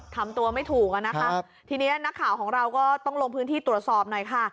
ทำตัวไม่ถูกอะนะคะทีนี้นักข่าวของเราก็ต้องลงพื้นที่ตรวจสอบหน่อยค่ะ